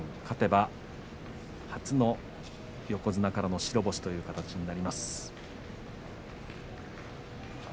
勝てば初の横綱からの白星という形になります。